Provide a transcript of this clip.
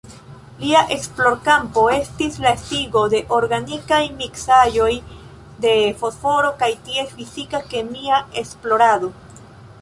Lia esplorkampo estis la estigo de organikaj miksaĵoj de fosforo kaj ties fizika-kemia esplorado.